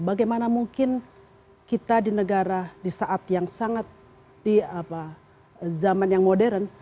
bagaimana mungkin kita di negara di saat yang sangat di zaman yang modern